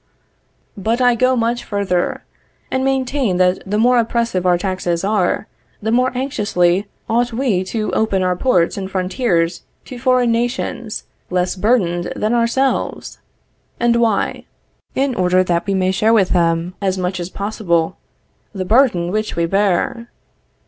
But I go much further, and maintain that the more oppressive our taxes are, the more anxiously ought we to open our ports and frontiers to foreign nations, less burthened than ourselves. And why? In order that we may share with them, as much as possible, the burthen which we bear.